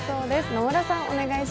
野村さん。